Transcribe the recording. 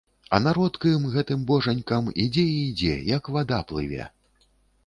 А народ к ім, гэтым божанькам, ідзе і ідзе, як вада плыве.